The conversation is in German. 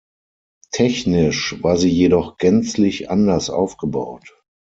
Technisch war sie jedoch gänzlich anders aufgebaut.